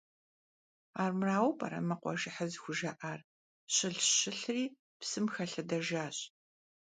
Armıraue p'ere mı khuajjehır zıxujja'ar: «Şılhş, şılhri psım xelhedejjaş».